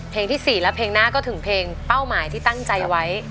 ที่๔และเพลงหน้าก็ถึงเพลงเป้าหมายที่ตั้งใจไว้